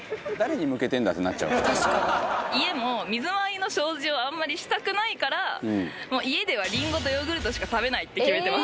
家も水回りの掃除をあんまりしたくないから家ではりんごとヨーグルトしか食べないって決めてます。